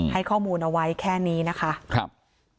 ให้ข้อมูลเอาไว้แค่นี้นะคะครับ